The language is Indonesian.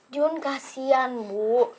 jun kasian bu